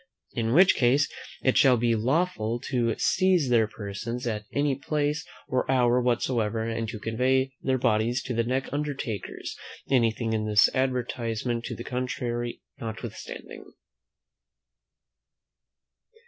In which case it shall be lawful to seize their persons at any place or hour whatsoever, and to convey their bodies to the next undertaker's; anything in this advertisement to the contrary notwithstanding.